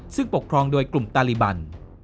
ซึ่งปกครองโดยกลุ่มตาลิบัน